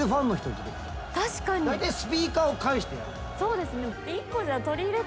大体スピーカーを介してやる。